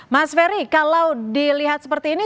mas ferry kalau dilihat seperti ini